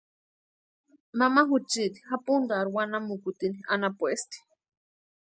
Mama juchiti japuntarhu wanamukutini anapuesti.